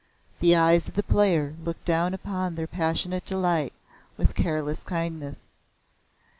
The eyes of the Player looked down upon their passionate delight with careless kindness.